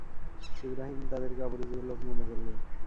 ইবরাহীম তাদেরকে অপরিচিত লোক মনে করলেন।